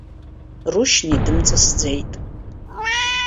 Рушьни дымҵысӡеит.